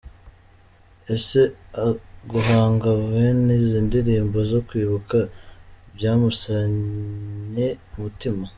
Ese guhanga bene izi ndirimbo zo kwibuka byamusannye umutima?.